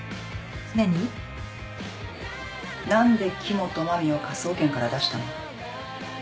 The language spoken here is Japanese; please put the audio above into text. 何で木元真実を科捜研から出したの？